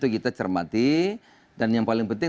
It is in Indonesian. kita beruru uruh menyampaikan